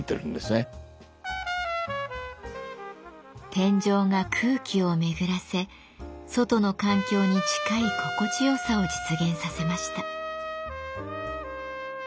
天井が空気を巡らせ外の環境に近い心地よさを実現させました。